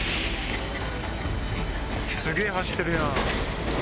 すげぇ走ってるやん。